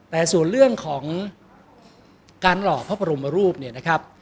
แต่ส่วนเรื่องของการหล่อพระบรมรูปเนี่ยนะครับ